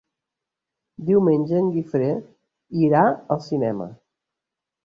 Diumenge en Guifré irà al cinema.